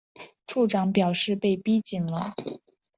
处长表示被逼紧了